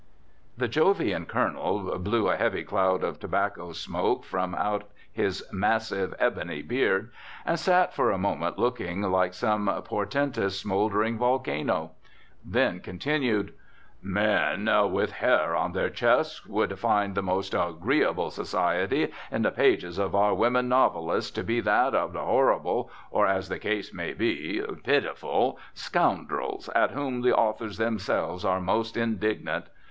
The Jovian Colonel blew a heavy cloud of tobacco smoke from out his massive ebony beard, and sat for a moment looking like some portentous smouldering volcano; then continued: "Men with hair on their chests would find the most agreeable society in the pages of our women novelists to be that of the horrible or, as the case may be, pitiful scoundrels at whom the authors themselves are most indignant.